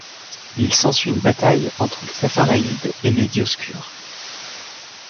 Il s'ensuit une bataille entre les Apharéides et les Dioscures.